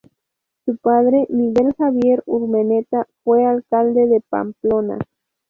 Su padre Miguel Javier Urmeneta, fue alcalde de Pamplona.